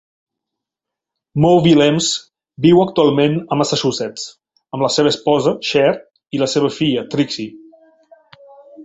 Mo Willems viu actualment a Massachusetts amb la seva esposa, Cher, i la seva filla, Trixie.